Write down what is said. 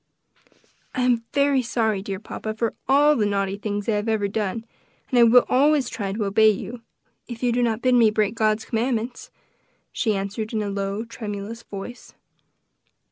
"I am very sorry, dear papa, for all the naughty things I have ever done, and I will always try to obey you, if you do not bid me break God's commandments," she answered in a low, tremulous tone.